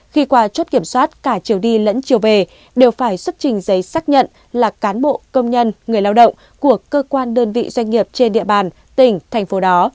khi qua chốt kiểm soát cả chiều đi lẫn chiều về đều phải xuất trình giấy xác nhận là cán bộ công nhân người lao động của cơ quan đơn vị doanh nghiệp trên địa bàn tỉnh thành phố đó